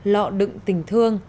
lọ đựng tình thương